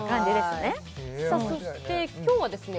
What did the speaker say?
そして今日はですね